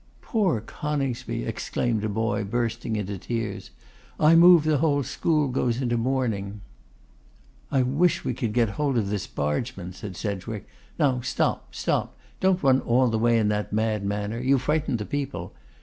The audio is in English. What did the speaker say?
'Poor Coningsby!' exclaimed a boy, bursting into tears: 'I move the whole school goes into mourning.' 'I wish we could get hold of this bargeman,' said Sedgwick. 'Now stop, stop, don't all run away in that mad manner; you frighten the people.